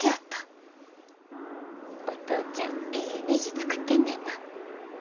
お父ちゃんええねじ作ってんねんな。